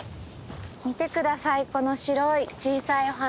見て下さいこの白い小さいお花。